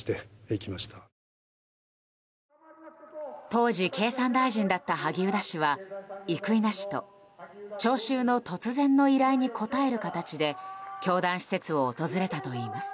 当時、経産大臣だった萩生田氏は生稲氏と聴衆の突然の依頼に応える形で教団施設を訪れたといいます。